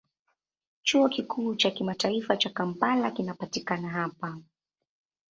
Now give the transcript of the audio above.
Chuo Kikuu cha Kimataifa cha Kampala kinapatikana hapa.